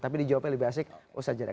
tapi di jawabnya lebih asik usah jadilah